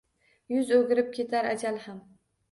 Yuz oʼgirib ketar Аjal ham.